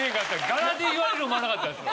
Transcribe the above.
柄で言われる思わなかったです。